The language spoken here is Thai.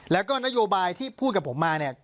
แล้วก็นโยบายที่พูดกับผมมาเนี่ย